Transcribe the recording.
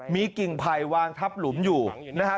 มีกิ่งภัยวางทับหลุมอยู่นะฮะ